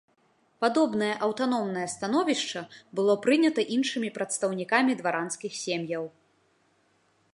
Падобнае аўтаномнае становішча было прынята іншымі прадстаўнікамі дваранскіх сем'яў.